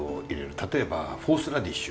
例えばホースラディッシュ